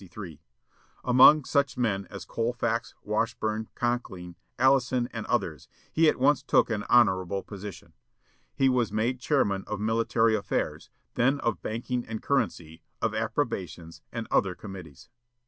Among such men as Colfax, Washburn, Conkling, Allison, and others, he at once took an honorable position. He was made chairman of military affairs, then of banking and currency, of appropriations, and other committees.